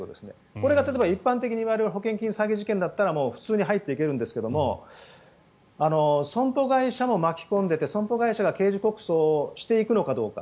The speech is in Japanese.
これが例えば一般的な保険金詐欺事件だったら普通に入っていけるんですが損保会社も巻き込んでて損保会社が刑事告訴をしていくのかどうか。